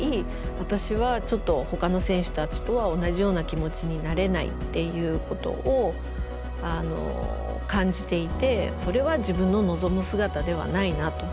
私はちょっとほかの選手たちとは同じような気持ちになれないっていうことを感じていてそれは自分の望む姿ではないなと。